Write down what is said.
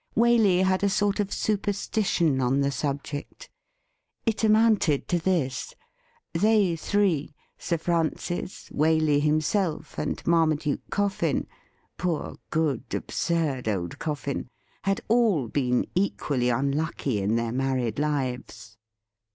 Waley had a sort of superstition on the subject. It amounted to this : They three, Sir Francis, Waley himself, and Marmaduke Coffin — poor, good, absurd old Coffin !— had all been equally unlucky in their married lives.